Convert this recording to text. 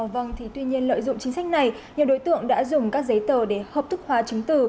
vâng thì tuy nhiên lợi dụng chính sách này nhiều đối tượng đã dùng các giấy tờ để hợp thức hóa chứng từ